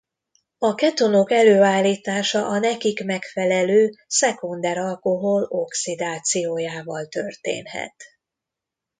A ketonok előállítása a nekik megfelelő szekunder alkohol oxidációjával történhet.